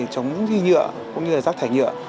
chống huy nhựa cũng như rác thải nhựa